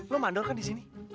lo mandor kan disini